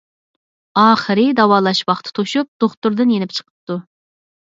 ئاخىرى داۋالاش ۋاقتى توشۇپ دوختۇردىن يېنىپ چىقىپتۇ.